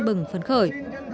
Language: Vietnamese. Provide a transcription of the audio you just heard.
bừng phấn khởi